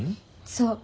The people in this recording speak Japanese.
そう。